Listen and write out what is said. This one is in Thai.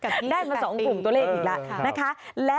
ได้มา๒ขุมตัวเลขอีกแล้ว